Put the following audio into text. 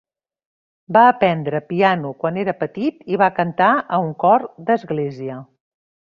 Va aprendre piano quan era petit i va cantar a un cor d'església.